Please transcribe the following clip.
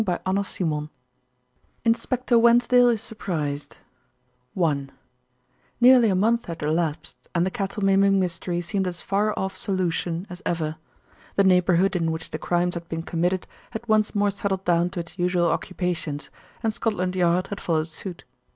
CHAPTER V INSPECTOR WENSDALE IS SURPRISED I Nearly a month had elapsed, and the cattle maiming mystery seemed as far off solution as ever. The neighbourhood in which the crimes had been committed had once more settled down to its usual occupations, and Scotland Yard had followed suit.